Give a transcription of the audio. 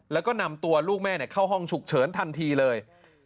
แล้วก็นำตัวลูกแม่เข้าห้องฉุกเฉินทันทีเลย